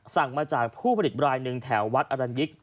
สั่งมาจากผู้ผลิตราย๑แถววัฒน์อารันยิก